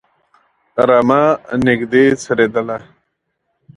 رمه نږدې څرېدله.